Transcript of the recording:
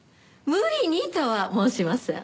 無理にとは申しません。